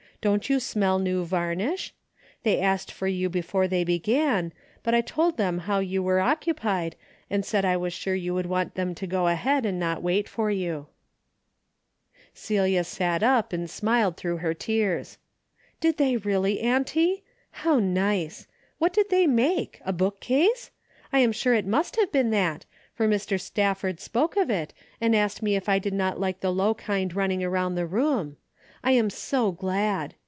Didn't you smell new varnish ? They asked for you be fore they began, but I told them how you were occupied and said I was sure you would want them to go ahead and not wait for you." A DAILY RATE:'^ 247 Celia sat up and smiled through her tears. ''Did they really, auntie? How nice! AVhat did they make? A bookcase? I am sure it must have been that, for Mr. Stafford spoke of it, and asked me if I did not like the low kind running around the room. I am so glad.